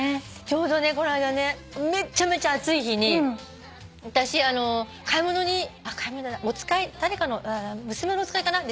ちょうどねこの間ねめっちゃめちゃ暑い日に私買い物に買い物じゃない娘のお使いかな？